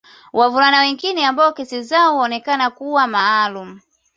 Wavulana wengine ambao kesi zao huonekana kuwa maalumu